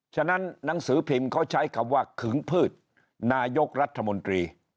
ฉะนั้นหนังสือพิมพ์เขาใช้คำว่าขึงพืชนายกรัฐมนตรี